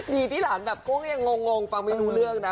ดีที่หลังก็ยังงงฟังไม่รู้เรื่องนะ